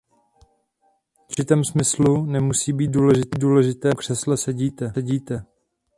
V určitém smyslu nemusí být důležité, ve kterém křesle sedíte.